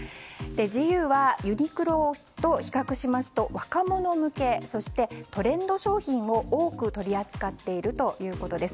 ＧＵはユニクロと比較しますと若者向けそして、トレンド商品を多く取り扱っているということです。